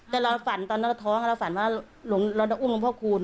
แต่เราฝันตอนนั้นเราท้องเราฝันว่าเราจะอุ้มหลวงพ่อคูณ